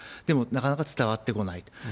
でもなかなか伝わってこないと。